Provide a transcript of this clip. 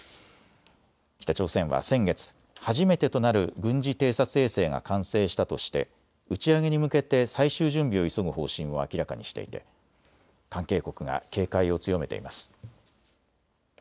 北朝鮮は先月、初めてとなる軍事偵察衛星が完成したとして打ち上げに向けて最終準備を急ぐ方針を明らかにしていて関係国が警戒を強めています。